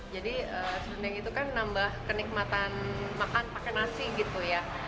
jadi serundeng itu kan nambah kenikmatan makan pakai nasi gitu ya